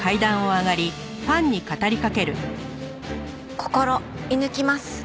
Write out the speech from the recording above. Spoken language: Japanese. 心射抜きます。